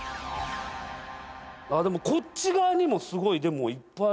でもこっち側にもすごいでもいっぱい付いてますね。